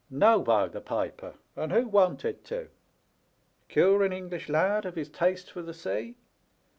"No, by the piper! and who wanted to? Cure an English lad of his taste for the sea